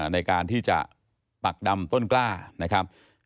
ในการที่จะปักดำต้นกล้านะครับ